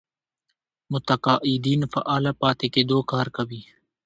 متقاعدين فعاله پاتې کېدو کار کوي.